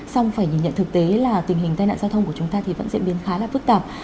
xong phải nhìn nhận thực tế là tình hình tai nạn giao thông của chúng ta thì vẫn diễn biến khá là phức tạp